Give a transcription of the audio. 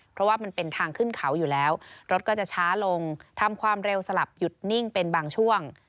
เพราะว่ามันเป็นทางขึ้นเขาอยู่แล้วรถก็จะช้าลงทำความเร็วสลับหยุดนิ่งเป็นบางช่วง